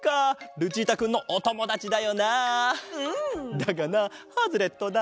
だがなハズレットだ。